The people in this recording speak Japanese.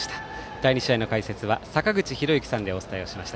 第２試合の解説は坂口裕之さんでお伝えしました。